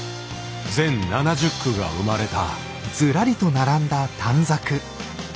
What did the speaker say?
全７０句が生まれた。